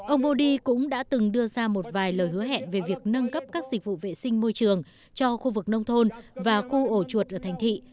ông modi cũng đã từng đưa ra một vài lời hứa hẹn về việc nâng cấp các dịch vụ vệ sinh môi trường cho khu vực nông thôn và khu ổ chuột ở thành thị